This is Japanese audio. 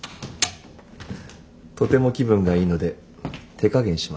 とても気分がいいので手加減しますよ。